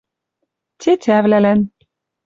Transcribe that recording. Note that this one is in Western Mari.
ТЕТЯВЛӒЛӒН